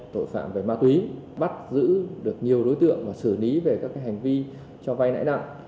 tội phạm về ma túy bắt giữ được nhiều đối tượng và xử lý về các hành vi cho vay lãi nặng